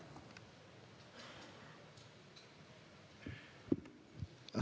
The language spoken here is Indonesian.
saya ingin bertanya